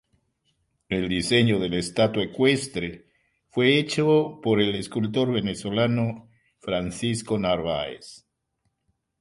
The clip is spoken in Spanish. El diseño de la estatua ecuestre fue hecho por el escultor venezolano Francisco Narváez.